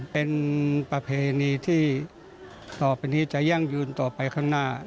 เป็นประเพณีที่ต่อไปนี้จะยั่งยืนต่อไปข้างหน้า